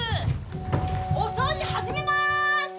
お掃除始めまーす！